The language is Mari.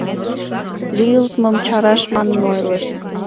Лӱйылтмым чараш манын ойлышт.